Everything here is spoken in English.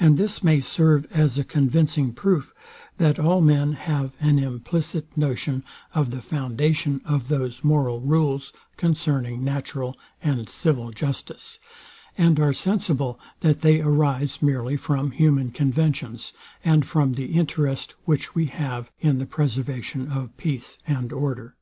And this may serve as a convincing proof, that all men have an implicit notion of the foundation of those moral rules concerning natural and civil justice, and are sensible, that they arise merely from human conventions, and from the interest, which we have in the preservation of peace and order.